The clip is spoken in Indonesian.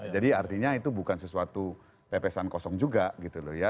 jadi artinya itu bukan sesuatu lepesan kosong juga gitu loh ya